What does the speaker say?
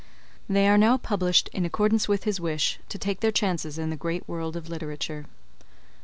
They are now published in accordance with his wish, to take their chances in the great world of literature.